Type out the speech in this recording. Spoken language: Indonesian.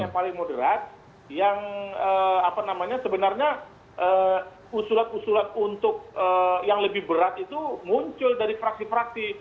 yang paling moderat yang apa namanya sebenarnya usulan usulan untuk yang lebih berat itu muncul dari fraksi fraksi